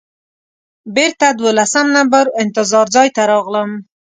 بېرته دولسم نمبر انتظار ځای ته راغلم.